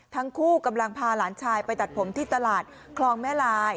ทั้งคู่กำลังพาหลานชายไปตัดผมที่ตลาดคลองแม่ลาย